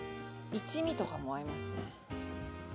一味とかも合いますね。